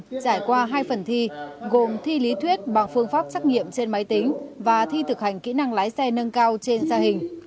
trải qua hai phần thi gồm thi lý thuyết bằng phương pháp xét nghiệm trên máy tính và thi thực hành kỹ năng lái xe nâng cao trên xa hình